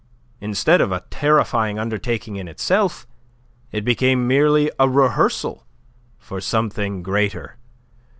Instead of a terrifying undertaking in itself, it became merely a rehearsal for something greater.